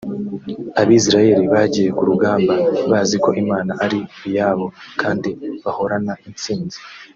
Abisirayeli bagiye ku rugamba bazi ko Imana ari iyabo kandi bahorana intsinzi